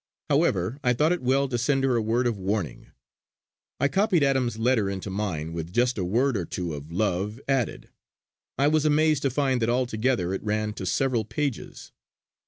However, I thought it well to send her a word of warning. I copied Adams's letter into mine, with just a word or two of love added. I was amazed to find that altogether it ran to several pages!